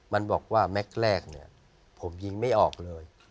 มันบอกว่าแม็กซ์แรกเนี่ยผมยิงไม่ออกเลย